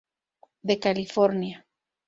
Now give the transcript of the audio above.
De California.